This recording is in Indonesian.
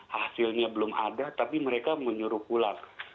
hasilnya belum ada tapi mereka menyuruh pulang